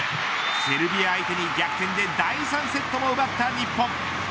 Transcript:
セルビア相手に逆転で第３セットも奪った日本。